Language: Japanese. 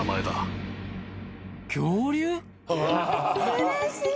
うれしい。